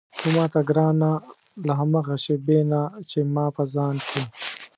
هو ماته ګرانه له هماغه شېبې نه چې ما په ځان کې.